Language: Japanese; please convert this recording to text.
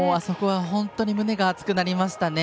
本当に胸が熱くなりました。